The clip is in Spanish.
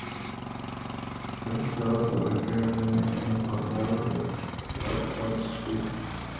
Está situado sobre el río Nene en el condado de Northamptonshire.